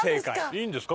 いいんですか？